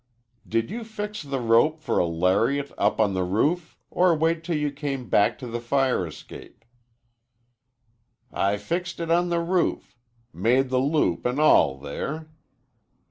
"Did you fix the rope for a lariat up on the roof or wait till you came back to the fire escape?" "I fixed it on the roof made the loop an' all there.